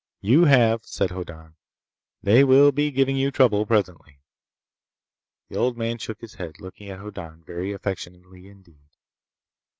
"You have," said Hoddan. "They will be giving you trouble presently." The old man shook his head, looking at Hoddan very affectionately indeed.